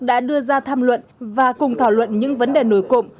đã đưa ra tham luận và cùng thảo luận những vấn đề nổi cộng